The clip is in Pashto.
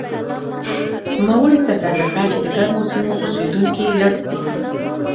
نوموړي څرګنده کړه چې د ګرمو سیمو اوسېدونکي لټ دي.